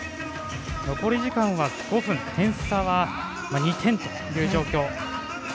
残り時間は５分点差は２点という状況。